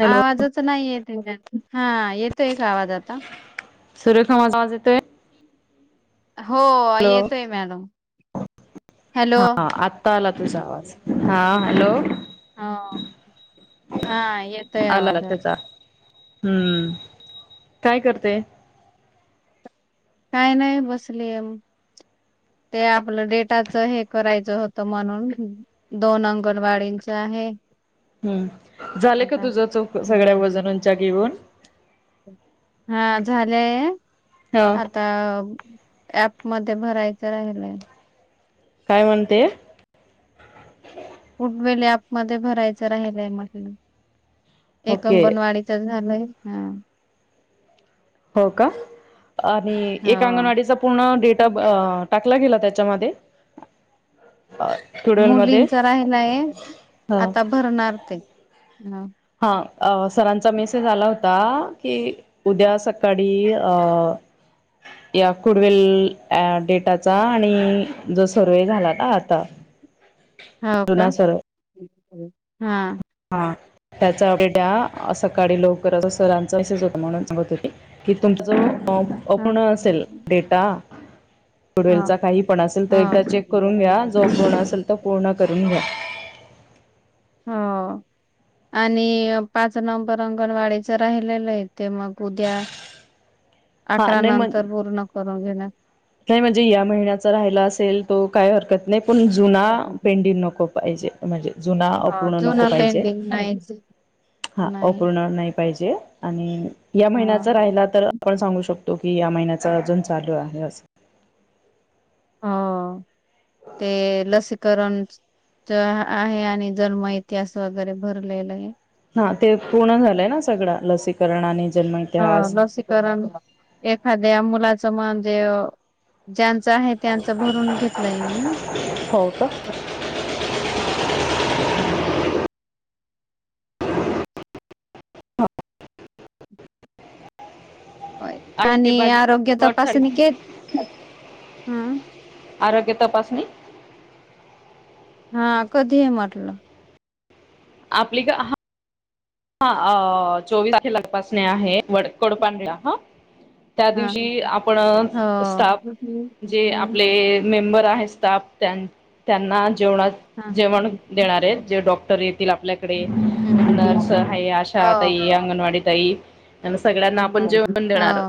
Hello आवाजच नाही येत, हा येतो एक आवाज आता. सुरेखा मजा वाज येतोय? हो हॅलो येतोय मॅडम, हॅलो. हा आत्ता आला तुझा आवाज, हा हॅलो. हो हा येतोय आला ना आवाज आता त्याचा. हम्म, काय करते? काय नाही बसलीये बघ. ते आपलं डेटाच हे करायचं होतं म्हणून दोन अंगणवाडींचे आहे. हम्म, झाले का आता तुझ चौक सगळ्या हम्म वजनांच्या घेऊन. हा झाले आहे. हा आता ऍप मध्ये भरायचं राहिलंय. काय म्हणते? उडवेल आपमध्ये भरायचं राहिलंय मशीन, एक ओके अंगणवाडी. तर झालय. हो का, आणि एक हो अंगणवाडीचा पूर्ण डेट ऑफ आ टाकला गेला त्याच्यामध्ये. ट्युडलमध्ये? मुलींच राहिलाय, हा आता भरणार ते. हा सरांचा मेसेज आला होता की उद्या सकाळी अं या कुडवेल डेटाचा, आणि जो सर्वेहे झाला ना आता. हो का, जुना सर्वे हा. हा त्याचा डेटा, आज सकाळी लवकर सरांच असच होत म्हणून सगत होती. कि तुमच ह अपूर्ण असेल डेटा. पुुडवेलचा हो काही पण असेल तर, एकदा चेक करून घ्या हो जो पण असेल तो पूर्ण करून घ्या. हा. आणि पाच नंबर अंगणवाडीचं राहिलेलं आहे, ते मग उद्या. हा आकरा नाही मग नंतर पूर्ण करून घेणार. नाही म्हणजे या महिन्याचा राहिला असेल तो काही हरकत नाही, पण जुना पेंडिंग नको. पाहिजे, म्हणजे जुना अपूर्ण नको जुना पाहिजे. पेंडिंग नाहीच हा नाही अपूर्ण नई पाहिजे आणि या हा महिन्याचा राहिला तर आपण सांगू शक तो की या महिन्याचा अजून चालू आहे, अस हं ते लसीकरण ते आहे आणि जर मग इतिहास वगैरे भरलेलंय. हा, ते पूर्ण झालंय ना सगळं. लसीकरण आणि जन्म हं इतिहास लसीकरण एखाद्या मुलाचं म्हणजे ज्यांच आहे त्यांचं भरून घेतलंय मी. हो का? ह. ते आणि बाजी आरोग्य प्लॉट साठी तपासणी घेत. मग हम्म. आरोग्य तपासणी. हा कधी हे म्हटलं? आपली का? हा, अं चोवीस तारखेला एक तपासणी आहे, वड कोंडपान ला हं. त्या हा हो. दिवशी आपण हा स्टाफ जे आपले मेंबर आहे स्टाफ त्यां त्यांना जेवणात हो. जेवण देणार आहेत. जे डॉक्टर येतील आपल्याकडे हो. नर्स आहे, आशा ताई आंगनवाडी ताई आणि सगळ्यांना आपण जेवण देणार.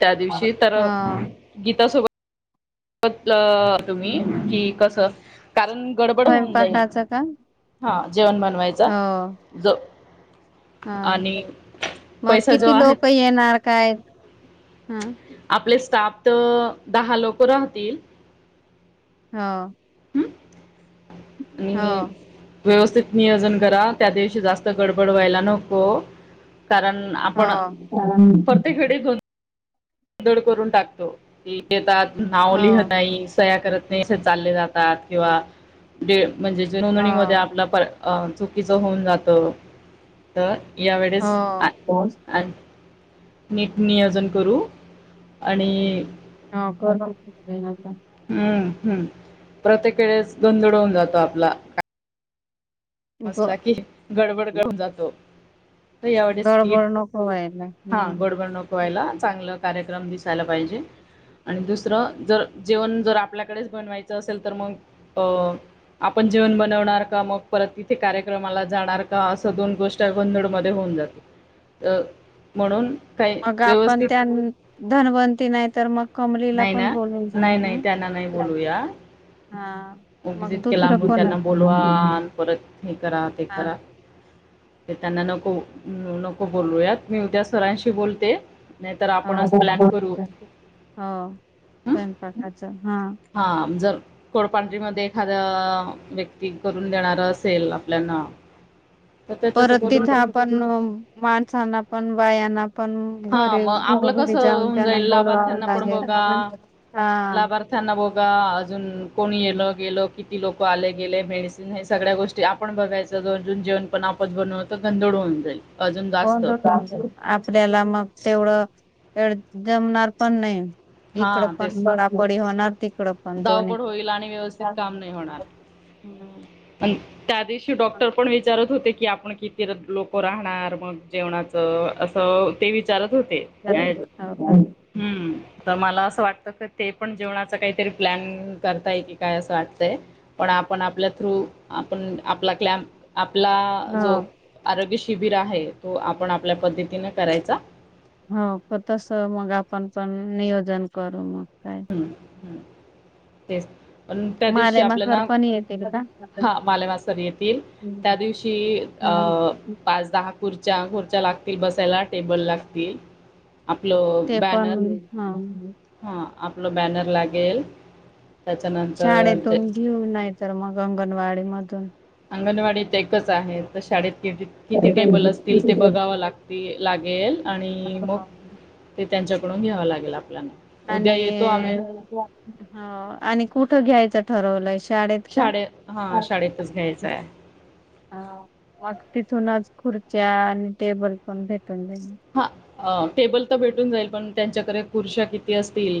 त्या दिवशी तर हो गीतासोबत अपलं तुम्ही कि कसं, कारण गडबड होऊन जाईल. स्वयंपाकाचं का? हा जेवण बनवाय हो. [inaudible] हं. आणि मग पैसा जो किती आहे लोक येणार काय? हं. आपले स्टाफ तर दहा लोक राहतील. हं. हम् अणि मी व्यवस्थित नियोजन करा. त्या दिवशी जास्त गडबड व्हायला नको, कारण हो. आपण हो. प्रत्येक वेळेस गो गोधड करून टाकतो [unintelligible] येतात नाव लिहत नाही. सह्या करत नाही असे चालले जातात, किंवा दे म्हणजे जे हो नोंदणी मध्ये आपला प चुकीचा होऊन जातो तर यावेेळेस अ हो. हो. अन नीट नियोजन करू. अणि [unintelligible] ह्म हम्म. प्रत्येक वेळेस गोंधड होऊन जातो आपला. असला की गडबड करुन जातो. त यावेळेस नीट, गडबड नको व्हायला हा हम्म. गडबड नको व्हायला. चांगलं कार्यक्रम दिसायला पाहिजे. आणि दुसरं जर जेवण जर आपल्याकडेच बनवायचं असेल, तर मग अं आपण जेवण बनवणार का मग परत हे कार्यक्रमाला जाणार का? असं दोन गोष्ट गोंधडमध्ये होऊन जातील. म्हणून काय मग आपण व्यवस्थित त्या धनवंती नाही तर मग कमलीला नाही पण ना बोलून नाही जा. नाही त्यांना नाही बोलूया हा उगीच मग इतके दुसरं लांबून कोण त्यांना बोलवा आणि परत हे करा ते हा करा [inaudible] ते त्यांना नको नको बोलूयात मी उद्या सरांशी बोलते नाहीतर ह हो आपणच प्लॅन करू [unintelligible] हं हं? स्वयंपाकाच हा. हां जर कोडपांढरीमध्ये एखाद्या व्यक्ती करून देणार असेल आपल्याना परत तिथं आपण माणसांना पण बायांना पण हां घरो मग आपलं घ घरी कसं जाऊन होऊन त्यांना जाईल बोलवावं लाभार्थ्यांना लागेल, हा. त्यांना बोघा अजून कोणी येल गेल किती लोक आले गेले मेडिसिन हे सगळ्या गोष्टी आपण बघायचं जरजून जेवण पण आपत बनवतं गंधोळ होऊन जाईल. अजून जास्त आपल्याला मग तेवढं धड जमणार पण नाही. इकडं पण बडबडी होणार, तिकड धावपड होईल आणि व्यवस्थित काम नाही होणार. हम्म. त्या दिवशी डॉक्टर पण विचारत होते की आपण किती लोक राहणार मग जेवणाच असं ते विचारत होते. हम्म तर मला असं वाटत क ते पण जेवणाच काही तरी प्लॅन करताय की काय असं वाटतंय पण आपण आपल्या थ्रू, आपण आपला क्लॅम आपला हा जो आरोग्य शिबिर आहे तो आपण आपल्या पद्धतीनं करायचा हो तस मग आपण पण नियोजन करू मग काय. हमं हमं. तेच पण त्या दिवशी मालेमा सर आपल्याना पण येतील का? हां बालेमास्तर येतील त्या दिवशी हा अं पाच दहा खुर्च्या खुर्च्या लागतील बसायला टेबल लागतील आपलं ते बॅनर पण हा हां, आपलं बॅनर लागेल त्याच्यानंतर जे शाळेतून घेऊ नाही तर मग अंगणवाडी मधून. अंगणवाडीत एकच आहे तर शाळेत किती टेबल असतील ते बघावं लाग ती लागेल आणि मग ते त्यांच्याकडून घ्यावं लागेल आपल्याना. आणि हं आणि कुठं घ्यायचं ठरवलाइस शाळेत हा शाळेतच घ्यायचा आहे. ह मग तिथूनच खुर्च्या आणि टेबल पण भेटून जाईन. हां टेबल तर भेटून जाईल पण त्यांच्याकडे खुर्च्या किती असतील